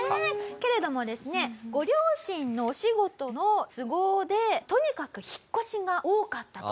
けれどもですねご両親のお仕事の都合でとにかく引っ越しが多かったと。